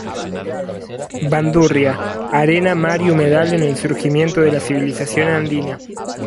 Bandurria: Arena, Mar y Humedal en el Surgimiento de la Civilización Andina.